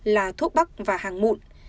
là thuốc bắc và hàng mụn